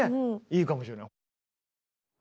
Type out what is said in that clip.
いいかもしれない。